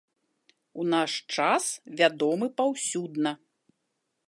У наш час вядомы паўсюдна.